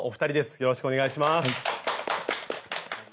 よろしくお願いします。